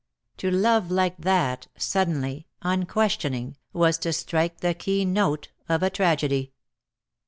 To love like that, suddenly, unquestioning, was to strike the keynote of a tragedy.